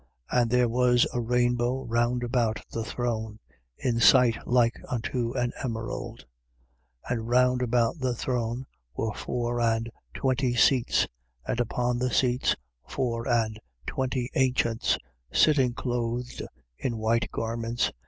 And there was a rainbow round about the throne, in sight like unto an emerald. 4:4. And round about the throne were four and twenty seats: and upon the seats, four and twenty ancients sitting, clothed in white garments.